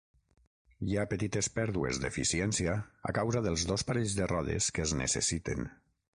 Hi ha petites pèrdues d'eficiència a causa dels dos parells de rodes que es necessiten.